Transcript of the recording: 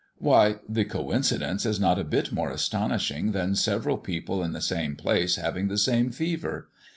"Why, the coincidence is not a bit more astonishing than several people in the same place having the same fever.